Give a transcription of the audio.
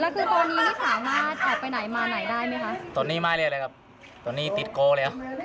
ครั้งนี้มันเต็มติเลย